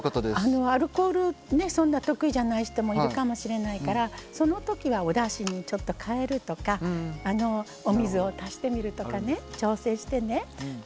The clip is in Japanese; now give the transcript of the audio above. アルコールがそんな得意じゃない人がいるかもしれないからそのときは、おだしに代えるとかお水を足してみるとか調整してね。